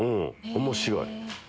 面白い。